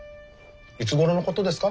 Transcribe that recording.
いつごろのことですか？